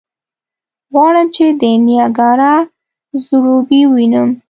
غواړم چې د نېګارا ځړوبی ووینم.